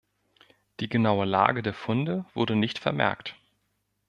Die genaue Lage der Funde wurde nicht vermerkt.